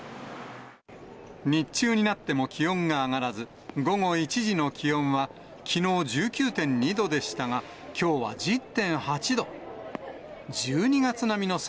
日中になっても気温が上がらず、午後１時の気温はきのう１９．２度でしたが、きょうは１０．８度。